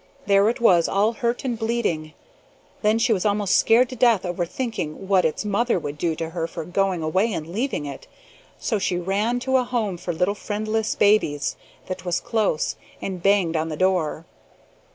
There it was, all hurt and bleeding. Then she was almost scared to death over thinking what its mother would do to her for going away and leaving it, so she ran to a Home for little friendless babies, that was close, and banged on the door.